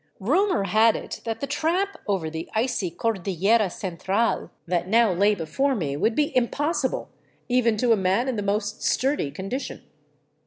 ! Rumor had it that the tramp over the icy Cordillera Central that now lay before me would be " impossible," even to a man in the most 303 VAGABONDING DOWN THE ANDES sturdy condition.